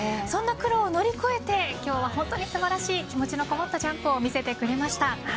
そんな苦労を乗り越えて今日は本当に素晴らしい気持ちのこもったジャンプを見せてくれました。